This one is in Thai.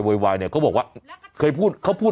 โวยวายเนี่ยเขาบอกว่าเคยพูด